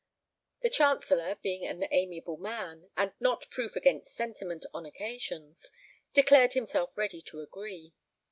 The chancellor, being an amiable man, and not proof against sentiment on occasions, declared himself ready to agree.